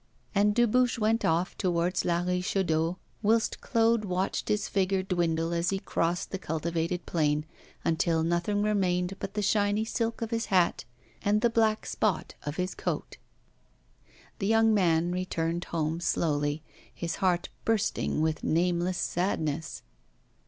And Dubuche went off towards La Richaudière, whilst Claude watched his figure dwindle as he crossed the cultivated plain, until nothing remained but the shiny silk of his hat and the black spot of his coat. The young man returned home slowly, his heart bursting with nameless sadness.